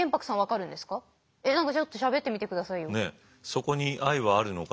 「そこに愛はあるのか？」